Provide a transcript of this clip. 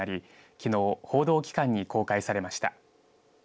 きのう報道機関に公開されました。